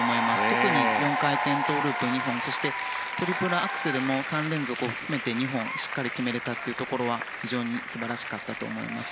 特に４回転トウループ２本そして、トリプルアクセルも３連続を含めて２本、しっかり決めれたというところは非常に素晴らしかったと思います。